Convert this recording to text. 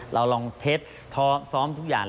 เราลองเท็จซ้อมทุกอย่าง